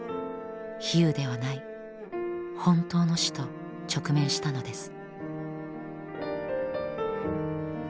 比喩ではない本当の死と直面したのです。